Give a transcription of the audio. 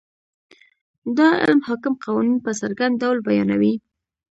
دا علم حاکم قوانین په څرګند ډول بیانوي.